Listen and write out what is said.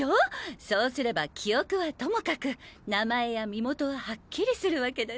そうすれば記憶はともかく名前や身元ははっきりするわけだし。